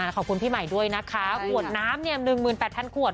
ขอบคุณพี่ใหม่ด้วยนะคะขวดน้ำ๑๘๐๐ขวด